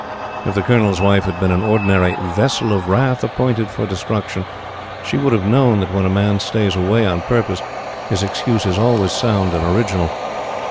If the Colonel's Wife had been an ordinary "vessel of wrath appointed for destruction," she would have known that when a man stays away on purpose, his excuse is always sound and original.